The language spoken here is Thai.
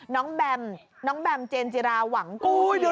แบมน้องแบมเจนจิราหวังกู